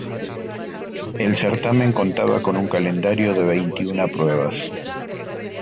El certamen contaba con un calendario de veintiuna pruebas.